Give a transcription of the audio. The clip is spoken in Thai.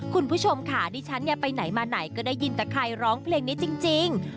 คุณผู้ชมค่ะดิฉันเนี่ยไปไหนมาไหนก็ได้ยินแต่ใครร้องเพลงนี้จริง